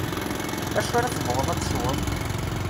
Acu ara tebɣuḍ ad tesweḍ?